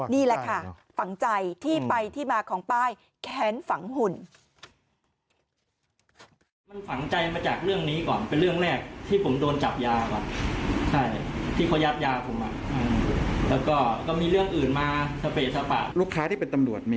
นี่แหละค่ะฝังใจที่ไปที่มาของป้ายแค้นฝังหุ่น